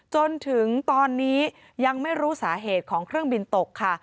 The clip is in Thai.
จนถึงตอนนี้ยังไม่รู้สาเหตุของเครื่องบินตกค่ะ